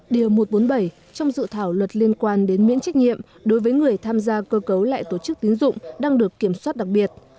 điều một trăm bốn mươi bảy trong dự thảo luật liên quan đến miễn trách nhiệm đối với người tham gia cơ cấu lại tổ chức tín dụng đang được kiểm soát đặc biệt